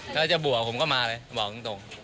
ถ้าจะบวกผมก็มาเลยบอกตรง